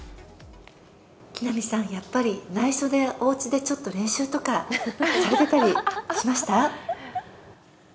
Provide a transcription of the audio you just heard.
木南さん、やっぱりないしょでおうちでちょっと練習とかされてたりしました？